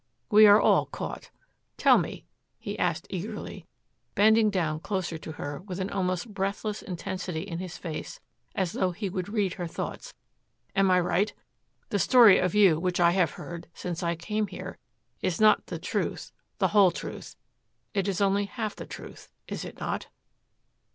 We are all caught. Tell me," he asked eagerly, bending down closer to her with an almost breathless intensity in his face as though he would read her thoughts, "am I right? The story of you which I have heard since I came here is not the truth, the whole truth. It is only half the truth is it not?"